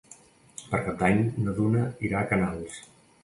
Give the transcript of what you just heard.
Per Cap d'Any na Duna irà a Canals.